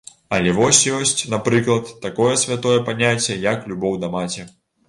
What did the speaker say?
Але вось ёсць, напрыклад, такое святое паняцце, як любоў да маці.